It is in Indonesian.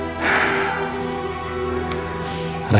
alhamdulillah lancar pak